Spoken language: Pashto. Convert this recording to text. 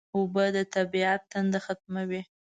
اوبه د طبیعت تنده ختموي